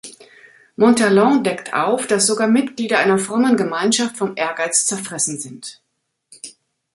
Montherlant deckt auf, dass sogar Mitglieder einer frommen Gemeinschaft vom Ehrgeiz zerfressen sind.